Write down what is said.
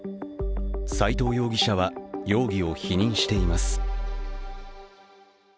斉藤容疑者は、容疑を否認しています。